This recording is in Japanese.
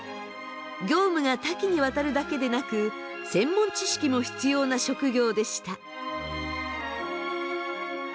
業務が多岐にわたるだけでなく専門知識も必要な職業でした。